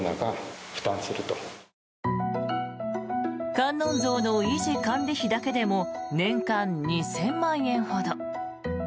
観音像の維持管理費だけでも年間２０００万円ほど。